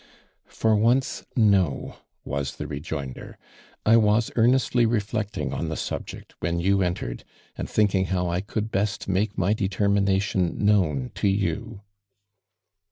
"For once, no." was tho rejoinder. "1 was earnestly reflecting on the subject when you entered, and thinking how I could best make my determination known to you."